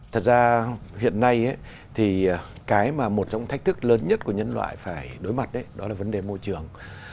thật ra hiện nay thì cái mà một trong thách thức lớn nhất của nhân loại phải đối mặt đó là vấn đề môi trường